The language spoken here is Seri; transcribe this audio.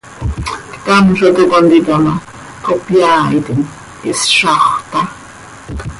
Ctam zo toc contita ma, cohpyaaitim, ihszaxö taa.